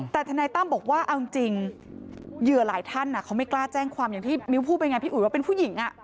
แต่ทนายตั้มบอกว่าเอาจริงเหยื่อหลายท่านเขาไม่กล้าแจ้งความอย่างที่มิ้วพูดไปไงพี่อุ๋ยว่าเป็นผู้หญิง